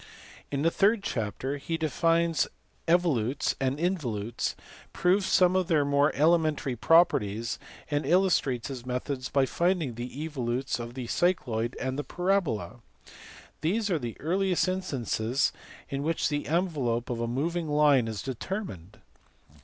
In the third chapter he defines evolutes and involutes, proves some of their more elementary properties, and illustrates his methods by finding the evolutes of the cycloid and the parabola. These are the earliest instances in which the envelope of a moving line was determined.